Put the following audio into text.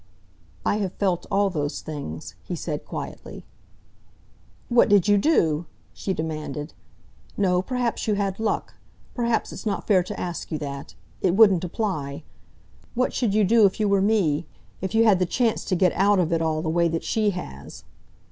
"I have felt all those things," he said quietly. "What did you do?" she demanded. "No, perhaps you had luck. Perhaps it's not fair to ask you that. It wouldn't apply. What should you do if you were me, if you had the chance to get out of it all the way that she has?"